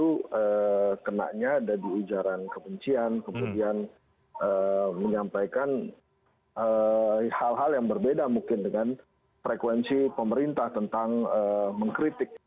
itu kenanya ada di ujaran kebencian kemudian menyampaikan hal hal yang berbeda mungkin dengan frekuensi pemerintah tentang mengkritik